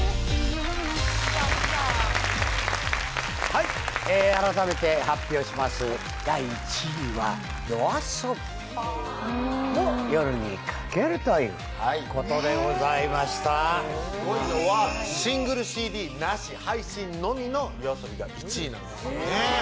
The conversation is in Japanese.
はい改めて発表しますということでございましたすごいのはシングルＣＤなし配信のみのＹＯＡＳＯＢＩが１位なんですよね